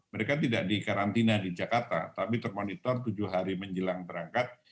mereka tidak dikarantina di jakarta tapi termonitor tujuh hari menjelang berangkat